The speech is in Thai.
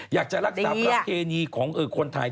อยากจะรักษาประเพณีของคนไทย